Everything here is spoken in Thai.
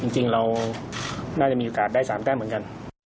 จริงเราน่าจะมีโอกาสได้๓แต้มเหมือนกัน